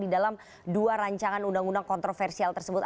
di dalam dua rancangan undang undang kontroversial tersebut